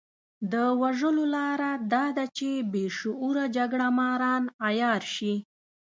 د وژلو لاره دا ده چې بې شعوره جګړه ماران عيار شي.